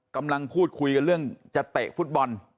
กำลังพูดคุยกันเรื่องจะเตะฟุตบอล